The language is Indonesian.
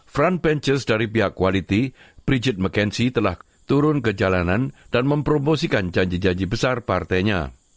franchers dari pihak kualiti frigit mcansi telah turun ke jalanan dan mempromosikan janji janji besar partainya